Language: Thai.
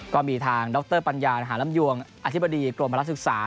ก็มีทางดรปัญญาหาลำยวงอธิบดีกรมพลักษึกษา